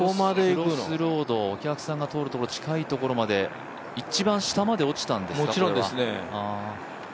クロスロード、お客さんが通るところ、近いところまで、一番下まで落ちたんですか。